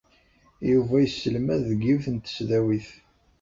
Yuba yesselmad deg yiwet n tesdawit.